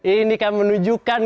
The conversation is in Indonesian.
ini akan menunjukkan